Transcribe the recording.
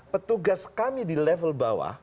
petugas kami di level bawah